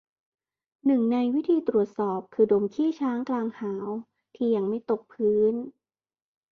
หนึ่งในวิธีตรวจสอบ คือดมขี้ช้างกลางหาว ที่ยังไม่ตกพื้น